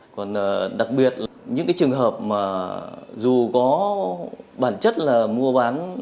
còn đặc biệt là những cái trường hợp mà dù có bản chất là mua bán